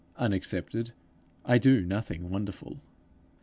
Unaccepted I do nothing wonderful.